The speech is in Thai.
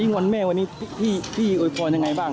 อย่างที่มาแม่วันนี้พี่โอยปอนด์ยากไหนบ้าง